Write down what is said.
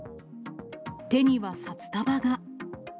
手には札束が。